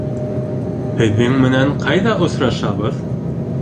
Һеҙҙең менән ҡайҙа осрашабыҙ?